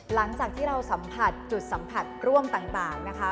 หลังจากที่เราสัมผัสจุดสัมผัสร่วมต่างนะคะ